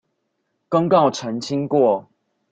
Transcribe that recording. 公告澄清過